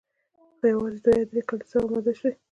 خو یوازي دوه یا درې کلیساوي اماده سوې